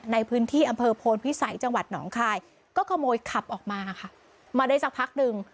ในพื้นที่อำเภอโพนพิสัยจังหวัดหนองคายก็ขโมยขับออกมาค่ะมาได้สักพักหนึ่ง